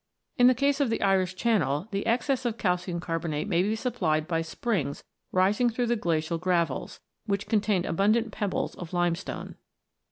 In the case of the Irish Channel, the excess of calcium carbonate may be supplied by springs rising through the glacial gravels, which contain abundant pebbles of limestone.